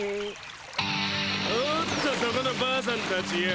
おっとそこのばあさんたちよ。